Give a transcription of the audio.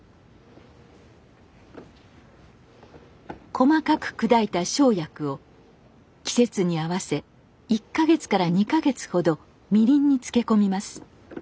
細かく砕いた生薬を季節に合わせ１か月から２か月ほどみりんに漬け込みます。